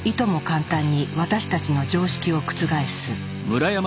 簡単に私たちの常識を覆す。